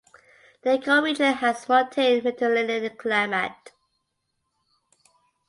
The ecoregion has montane Mediterranean climate.